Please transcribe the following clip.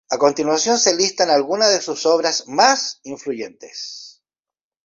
A continuación se listan algunas de sus obras más influyentes.